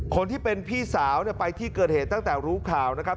คนที่เป็นพี่สาวไปที่เกิดเหตุตั้งแต่รู้ข่าวนะครับ